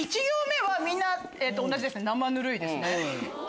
１行目はみんな同じですね。